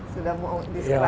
sudah mau diserap ya